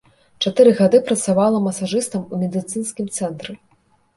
Чатыры гады працавала масажыстам у медыцынскім цэнтры.